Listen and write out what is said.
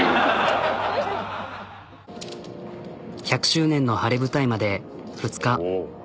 １００周年の晴れ舞台まで２日。